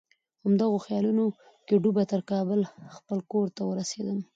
همدغو خیالونو کې ډوبه تر کابل خپل کور ته ورسېدم.